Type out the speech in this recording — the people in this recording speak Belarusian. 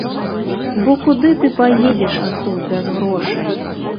Бо куды ты паедзеш адтуль без грошай?